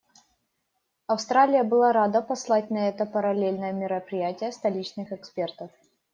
Австралия была рада послать на это параллельное мероприятие столичных экспертов.